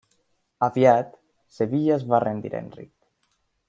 Aviat, Sevilla es va rendir a Enric.